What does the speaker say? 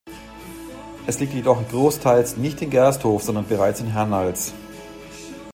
Es liegt jedoch großteils nicht in Gersthof, sondern bereits in Hernals.